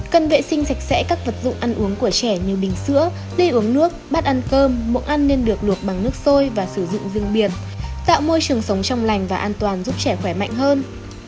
cần vệ sinh sạch sẽ các vật dụng ăn uống của trẻ như bình sữa đi uống nước mát ăn cơm bữa ăn nên được luộc bằng nước sôi và sử dụng riêng biển tạo môi trường sống trong lành và an toàn giúp trẻ khỏe mạnh hơn